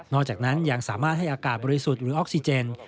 จากนั้นยังสามารถให้อากาศบริสุทธิ์หรือออกซิเจน